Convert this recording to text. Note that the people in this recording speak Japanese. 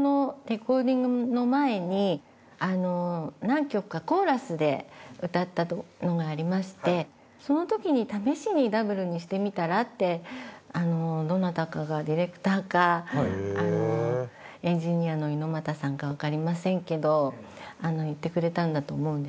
何曲かコーラスで歌ったのがありましてその時に「試しにダブルにしてみたら？」ってどなたかがディレクターかエンジニアの猪俣さんかわかりませんけど言ってくれたんだと思うんですね。